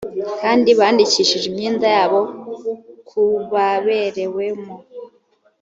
kandi bandikishije imyenda yabo ku baberewemo